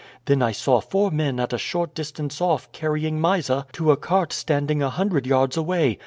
Then I saw four men at a short distance off carrying Mysa to a cart standing a hundred yards away.